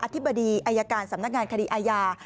ธิบดีอายการสำนักงานคดีอาญา